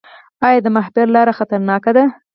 آیا د ماهیپر لاره خطرناکه ده؟